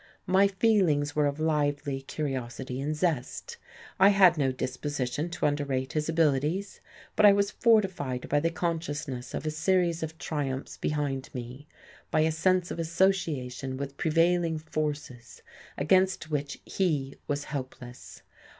my feelings were of lively curiosity and zest. I had no disposition to underrate his abilities, but I was fortified by the consciousness of a series of triumphs behind me, by a sense of association with prevailing forces against which he was helpless.